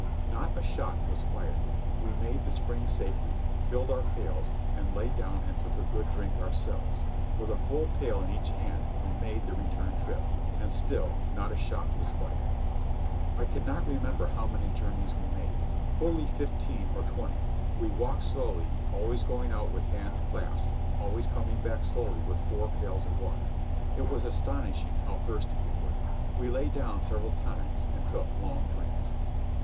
Not a shot was fired. We made the spring safely, filled our pails, and lay down and took a good drink ourselves. With a full pail in each hand we made the return trip. And still not a shot was fired. I cannot remember how many journeys we made—fully fifteen or twenty. We walked slowly, always going out with hands clasped, always coming back slowly with four pails of water. It was astonishing how thirsty we were. We lay down several times and took long drinks.